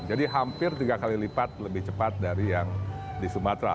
jadi hampir tiga kali lipat lebih cepat dari yang di sumatera